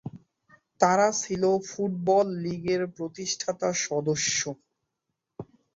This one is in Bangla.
তারা ছিল ফুটবল লীগের প্রতিষ্ঠাতা সদস্য।